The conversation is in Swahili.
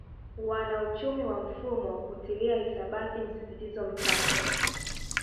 Wanauchumi wa mfumo hutilia hisabati msisitizo mchache